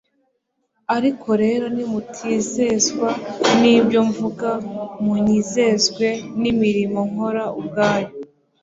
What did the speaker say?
ariko rero nimutizezwa n'ibyo mvuga munyizezwe n'imirimo nkora ubwayo."